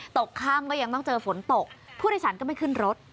ตกข้ามก็ยังต้องเจอฝนตกผู้โดยสารก็ไม่ขึ้นรถ